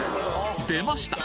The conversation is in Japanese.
出ました！